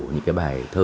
những cái bài thơ